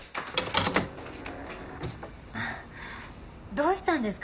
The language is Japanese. どうしたんですか？